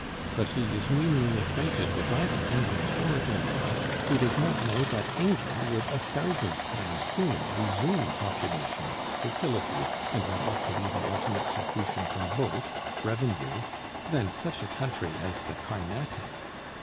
But he is meanly acquainted with either England or India, who does not know that England would a thousand times sooner resume population, fertility, and what ought to be the ultimate secretion from both, revenue, than such a country as the Carnatic.